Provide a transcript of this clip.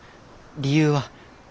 理由は？